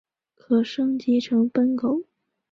可升级成奔狗。